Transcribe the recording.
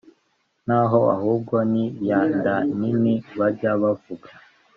nta ho, ahubwo ni ya nda nini bajya bavuga!